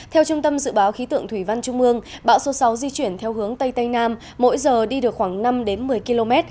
theo trung tâm dự báo khí tượng thủy văn trung mương bão số sáu di chuyển theo hướng tây tây nam